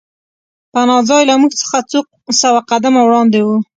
پناه ځای له موږ څخه څو سوه قدمه وړاندې و